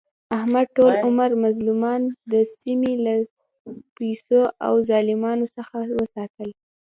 احمد ټول عمر مظلومان د سیمې له سپیو او ظالمانو څخه وساتل.